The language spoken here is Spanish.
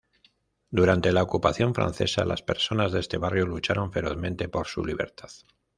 Durante la ocupación francesa, las personas de este barrio lucharon ferozmente por su libertad.